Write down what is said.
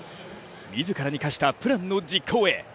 自らに課したプランの実行へ。